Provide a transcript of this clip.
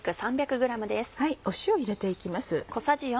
塩を入れて行きます。